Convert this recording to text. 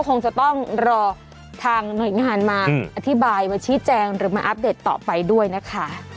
คงจะต้องรอทางหน่วยงานมาอธิบายมาชี้แจงหรือมาอัปเดตต่อไปด้วยนะคะ